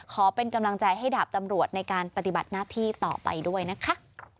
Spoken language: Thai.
ขอเป็นกำลังใจให้ดาบตำรวจในการปฏิบัติหน้าที่ต่อไปด้วยนะคะ